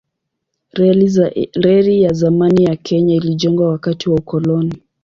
Reli ya zamani ya Kenya ilijengwa wakati wa ukoloni.